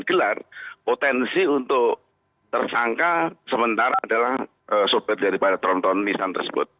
dan gelar potensi untuk tersangka sementara adalah sopir daripada tron tron nissan tersebut